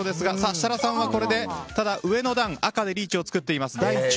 設楽さんはこれで、ただ上の段赤でリーチを作っています。